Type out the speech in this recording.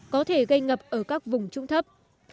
có thể gây ngập ở các vùng trung thấp